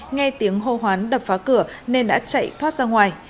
nghe tiếng hô hoán đập phá cửa nên đã chạy thoát ra ngoài